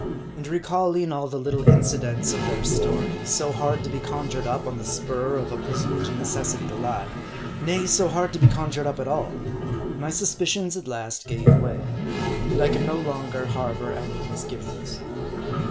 And recalling all the little incidents of their story, so hard to be conjured up on the spur of a presumed necessity to lie ; nay, so hard to be con jured up at all ; my suspicions at last gave way. And I could no longer harbor any misgivings.